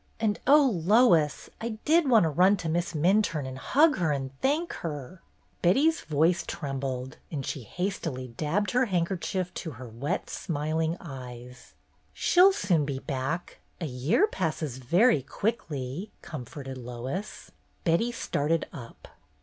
And oh, Lois, I did want to run to Miss Minturne and hug her and thank her!" Betty's voice trembled, and she hastily MRS. LELECHE HAS HER SAY 233 dabbed her handkerchief to her wet, smiling eyes. ''She 'll soon be back. A year passes very quickly," comforted Lois. Betty started up.